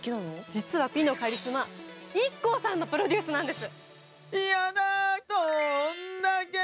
実は美のカリスマＩＫＫＯさんのプロデュースなんです。